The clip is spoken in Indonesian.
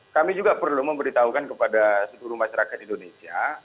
kami juga perlu memberitahukan kepada seluruh masyarakat indonesia